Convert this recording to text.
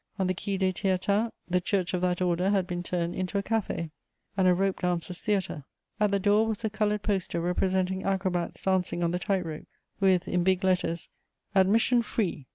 On the Quai des Théatins, the church of that Order had been turned into a café and a rope dancers' theatre. At the door was a coloured poster representing acrobats dancing on the tight rope, with, in big letters, ADMISSION FREE.